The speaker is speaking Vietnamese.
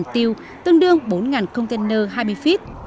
tương đương bốn container hai mươi feet